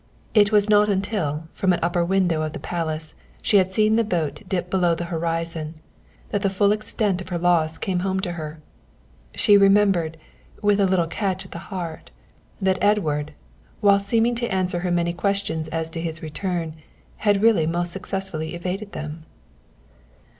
It was not until, from an upper window of the palace, she had seen the boat dip below the horizon, that the fall extent of her loss came home to her. She remembered, with a little catch at the heart, that Edward, whilst seeming to answer her many questions as to his return, had really most successfully evaded them.